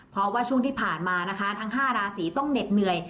เพราะว่าช่วงที่ผ่านมานะคะทั้ง๕ราศีต้องเหน็ดเหนื่อย